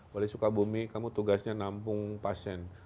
wali sukabumi kamu tugasnya nampung pasien